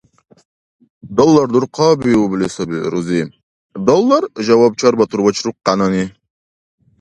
— Доллар дурхъабиубли саби, рузи, доллар,— жаваб чарбатур вачрукьянани.